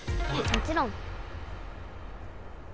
もちろん。